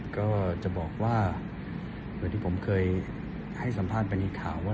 ก็จะบอกว่าเหมือนที่ผมเคยให้สัมภาษณ์ไปในข่าวว่า